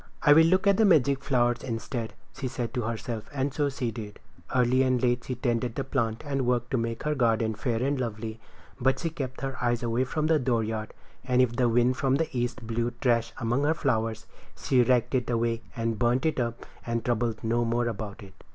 "I will look at the magic flower instead," she said to herself, and so she did. Early and late she tended the plant and worked to make her garden fair and lovely; but she kept her eyes from the dooryard. And if the wind from the east blew trash among her flowers she raked it away and burned it up and troubled no more about it.